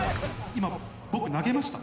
今、僕、投げました？